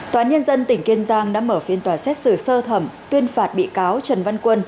tòa án nhân dân tỉnh kiên giang đã mở phiên tòa xét xử sơ thẩm tuyên phạt bị cáo trần văn quân